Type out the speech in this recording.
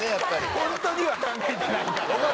本当には考えてないんだ。